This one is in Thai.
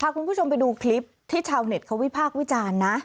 คุณผู้ชมไปดูคลิปที่ชาวเน็ตเขาวิพากษ์วิจารณ์นะ